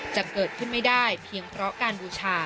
จะเกิดขึ้นไม่ได้เพียงเพราะการบูชา